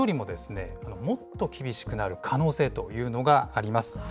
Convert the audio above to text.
これ、夏よりももっと厳しくなる可能性というのがあります。